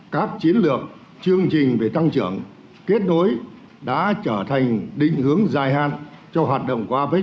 các chiến lược chương trình về tăng trưởng kết nối đã trở thành định hướng dài hạn cho hoạt động của apec